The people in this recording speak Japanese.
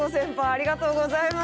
ありがとうございます。